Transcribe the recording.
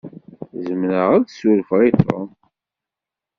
Zemreɣ ad surfeɣ i Tom.